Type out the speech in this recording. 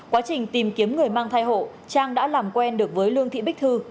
quá trình tìm kiếm người mang thai hộ trang đã làm quen được với lương thị bích thư